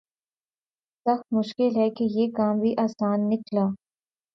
سخت مشکل ہے کہ یہ کام بھی آساں نکلا